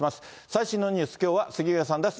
最新のニュース、きょうは杉上さんです。